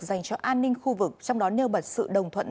dành cho an ninh khu vực trong đó nêu bật sự đồng thuận